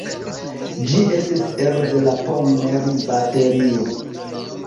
Ĝi estis ero de la "Pommern-Baterio".